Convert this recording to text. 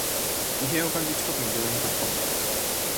異変を感じ、近くの病院に駆けこんだ